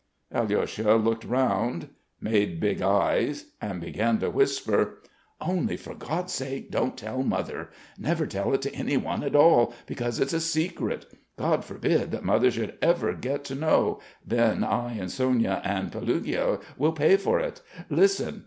Alyosha looked round, made big eyes and began to whisper. "Only for God's sake don't tell Mother! Never tell it to anyone at all, because it's a secret. God forbid that Mother should ever get to know; then I and Sonya and Pelagueia will pay for it.... Listen.